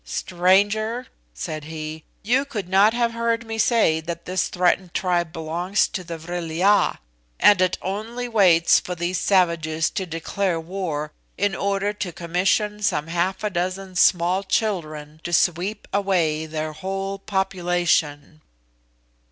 "Stranger," said he, "you could not have heard me say that this threatened tribe belongs to the Vril ya; and it only waits for these savages to declare war, in order to commission some half a dozen small children to sweep away their whole population."